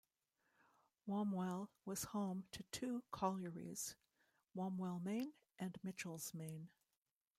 Wombwell was home to two collieries; Wombwell Main and Mitchells Main.